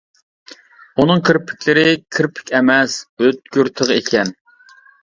ئۇنىڭ كىرپىكلىرى كىرپىك ئەمەس ئۆتكۈر تىغ ئىكەن.